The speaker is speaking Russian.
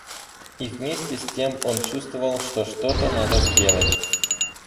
И вместе с тем он чувствовал, что что-то надо сделать.